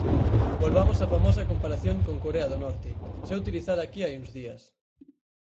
Volvamos á famosa comparación con Corea do Norte, xa utilizada aquí hai uns días.